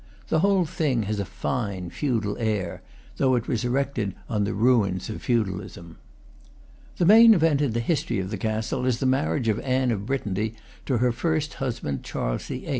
The whole thing has a fine feudal air, though it was erected on the rains of feudalism. The main event in the history of the castle is the marriage of Anne of Brittany to her first husband, Charles VIII.